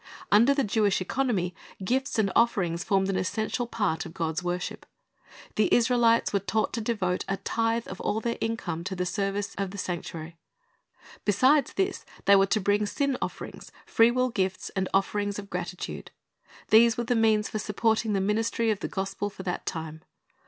Under the Jewish economy, gifts and offerings formed an essential part of God's worship. The Israelites were taught to devote a tithe of all their income to the service of the sanctuary. Besides this they were to bring sin offerings, free will gifts, and offerings of gratitude. These were the means for supporting the ministry of the gospel for that time.